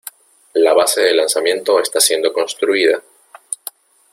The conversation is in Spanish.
La base de lanzamiento está siendo construida.